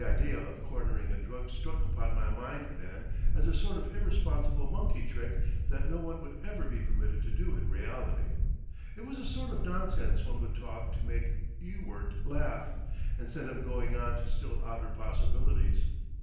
The idea of cornering a drug struck upon my mind then as a sort of irresponsible monkey trick that no one would ever be permitted to do in reality. It was the sort of nonsense one would talk to make Ewart laugh and set him going on to still odder possibilities.